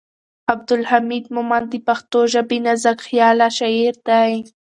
عبدالحمید مومند د پښتو ژبې نازکخیاله شاعر دی.